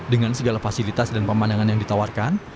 dengan segala fasilitas dan pemandangan yang ditawarkan